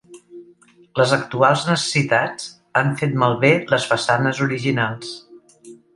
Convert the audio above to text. Les actuals necessitats han fet malbé les façanes originals.